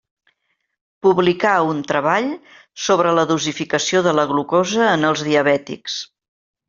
Publicà un treball sobre la dosificació de la glucosa en els diabètics.